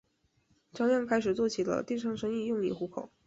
张漾开始做起了电商生意用以糊口。